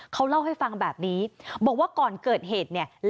เขาเล่าให้ฟังแบบนี้บอกว่าก่อนเกิดเหตุเนี่ย